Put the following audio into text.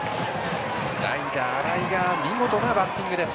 代打・新井が見事なバッティングです。